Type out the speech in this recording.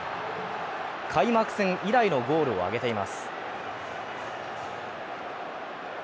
開幕戦以来のゴールを挙げています。